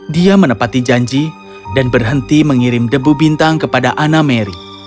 dia menepati janji dan berhenti mengirim debu bintang kepada anna mary